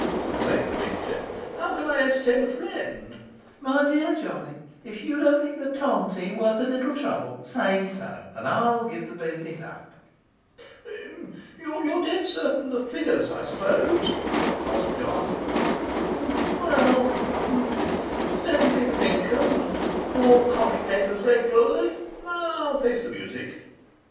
complained the victim. 'How can I entertain a friend?' 'My dear Johnny, if you don't think the tontine worth a little trouble, say so, and I'll give the business up.' 'You're dead certain of the figures, I suppose?' asked John. 'Well' with a deep sigh 'send me the Pink Un and all the comic papers regularly. I'll face the music.